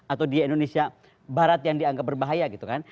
atau di indonesia barat yang dianggap berbahaya gitu kan